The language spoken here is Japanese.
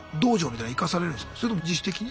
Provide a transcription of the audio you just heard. それとも自主的に？